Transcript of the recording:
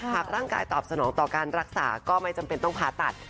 หากร่างกายตอบสนองต่อการรักษาก็ไม่จำเป็นต้องผ่าตัด